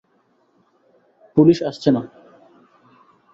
Police আসছে না।